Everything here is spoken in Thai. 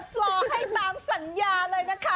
เปิดปลอให้ตามสัญญาเลยนะคะ